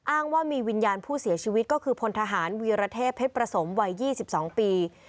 อ้างว่ามีวิญญาณผู้เสียชีวิตก็คือพลทหารวีรเทพเพชรประสมวัย๒๒ปี